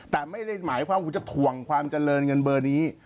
แต่ไม่ได้หมายความคุณจะถ่วงความเจริญเงินเบอร์นี้